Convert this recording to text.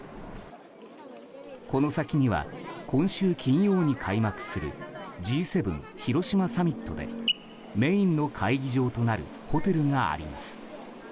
この先には、今週金曜に開幕するＧ７広島サミットでメインの会議場となるホテルがあります。